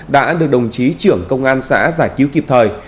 đã được đồng chí trưởng công an xã giải cứu kịp thời